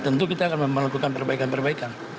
tentu kita akan melakukan perbaikan perbaikan